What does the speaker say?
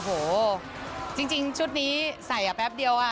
โอ้โหจริงชุดนี้ใส่แป๊บเดียว